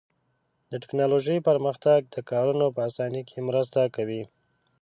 د تکنالوژۍ پرمختګ د کارونو په آسانۍ کې مرسته کوي.